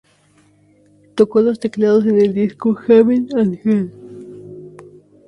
Tocó los teclados en el disco "Heaven and Hell".